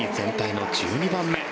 全体の１２番目。